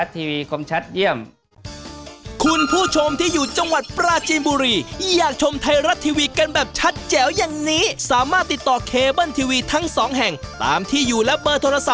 ไทยรัดทีวีคมชัดเยี่ยม